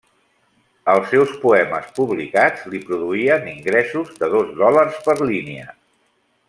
Els seus poemes publicats li produïen ingressos de dos dòlars per línia.